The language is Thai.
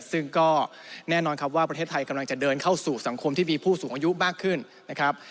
ซึ่งก็แน่นอนครับว่าประเทศไทยกำลังจะเดินเข้าสู่สังคมที่มีผู้สูงอายุมากขึ้นนะครับ